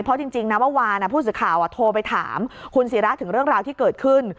เพราะจริงนะเมื่อวานผู้สื่อข่าวโทรไปถามคุณศิระถึงเรื่องราวที่เกิดขึ้น